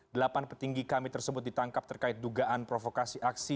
delapan petinggi kami tersebut ditangkap terkait dugaan provokasi aksi